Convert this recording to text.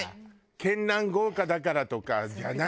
絢爛豪華だからとかじゃない。